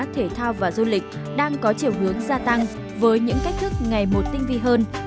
thể thao và du lịch đang có chiều hướng gia tăng với những cách thức ngày một tinh vi hơn